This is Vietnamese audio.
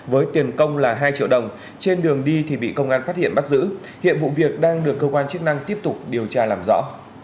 với tiền công là hai triệu đồng trên đường đi thì bị công an phát hiện bắt giữ hiện vụ việc đang được cơ quan chức năng tiếp tục điều tra làm rõ